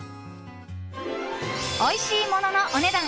おいしいもののお値段